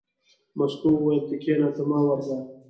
مستو وویل: ته کېنه ته مه ورځه.